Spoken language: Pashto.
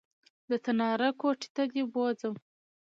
د تناره کوټې ته دې بوځم